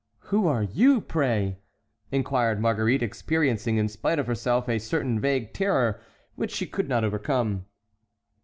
"Who are you, pray?" inquired Marguerite, experiencing, in spite of herself, a certain vague terror which she could not overcome.